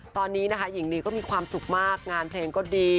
ตอนนี้นะคะหญิงลีก็มีความสุขมากงานเพลงก็ดี